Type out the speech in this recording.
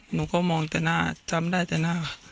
หนูก็มองแต่หน้าจำได้แต่หน้า